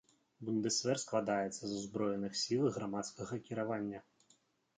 Бундэсвер складаецца з узброеных сіл і грамадзянскага кіравання.